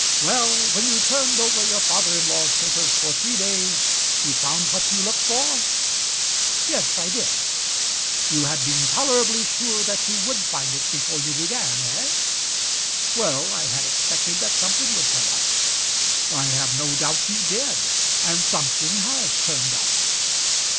Well, when you'd turned over your father in law's papers for three days you found what you looked for?" "Yes, I did." "You had been tolerably sure that you would find it before you began, eh?" "Well, I had expected that something would turn up." "I have no doubt you did, and something has turned up.